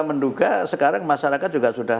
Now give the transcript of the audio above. menduga sekarang masyarakat juga sudah